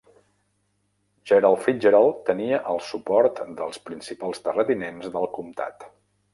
Gerald Fitzgerald tenia el suport dels principals terratinents del comtat.